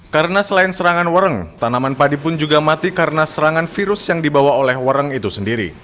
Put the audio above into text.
karena selain serangan warang tanaman padi pun juga mati karena serangan virus yang dibawa oleh warang itu sendiri